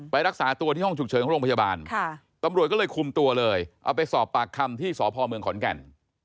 รักษาตัวที่ห้องฉุกเฉินของโรงพยาบาลตำรวจก็เลยคุมตัวเลยเอาไปสอบปากคำที่สพเมืองขอนแก่น